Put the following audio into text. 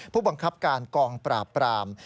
ผู้บังคับการกองปราบปราม